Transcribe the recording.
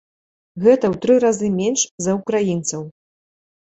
Гэта ў тры разы менш за ўкраінцаў.